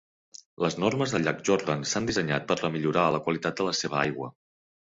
Les normes del llac Jordan s'han dissenyat per a millorar la qualitat de la seva aigua.